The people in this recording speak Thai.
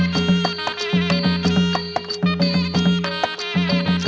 สวัสดีครับ